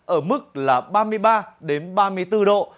ở mức là ba mươi ba ba mươi bốn độ